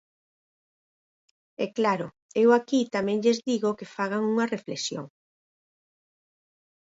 E, claro, eu aquí tamén lles digo que fagan unha reflexión.